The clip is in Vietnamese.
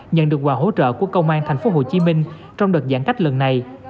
nhận được quà hỗ trợ của công an tp hcm trong đợt giãn cách lần này